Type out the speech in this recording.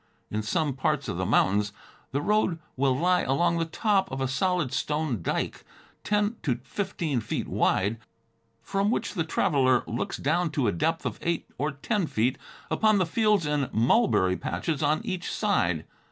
In some parts of the mountains, the road will lie along the top of a solid stone dike, ten to fifteen feet wide, from which the traveler looks down to a depth of eight or ten feet upon the fields and mulberry patches on each side.